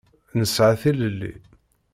Nesɛa tilelli.